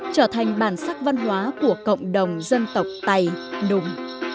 trở thành bản sắc văn hóa của cộng đồng dân tộc tài đùng